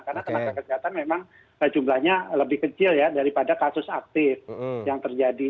karena tenaga kesehatan memang jumlahnya lebih kecil ya daripada kasus aktif yang terjadi